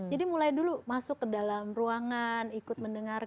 jadi mulai dulu masuk ke dalam ruangan ikut mendengarkan gitu ya